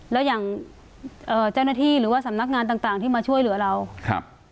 แล้วอย่างเจ้าหน้าที่หรือว่าสำนักงานต่างที่มาช่วยเหลือเรา